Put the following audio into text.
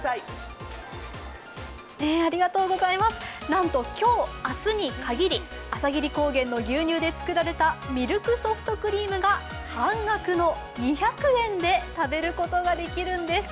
なんと今日、明日に限り朝霧高原の牛乳で作られたミルクソフトクリームが半額の２００円で食べることができるんです